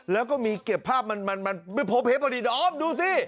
แล้วก็มีเก็บภาพมันมันมันมันพบเฮฟอันนี้อ๋อดูสิ